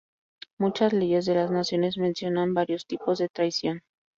Muchas leyes de las naciones mencionan varios tipos de traición.